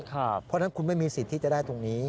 เพราะฉะนั้นคุณไม่มีสิทธิ์ที่จะได้ตรงนี้